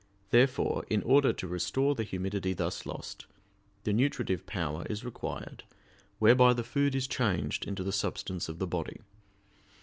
Therefore, in order to restore the humidity thus lost, the nutritive power is required, whereby the food is changed into the substance of the body.